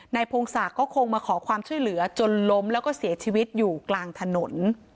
พงศักดิ์ก็คงมาขอความช่วยเหลือจนล้มแล้วก็เสียชีวิตอยู่กลางถนน